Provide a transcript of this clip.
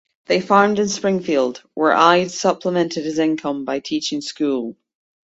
They farmed in Springfield, where Ide supplemented his income by teaching school.